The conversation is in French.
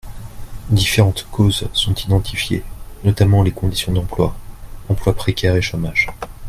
Différentes causes sont identifiées, notamment les conditions d’emploi, emploi précaire et chômage.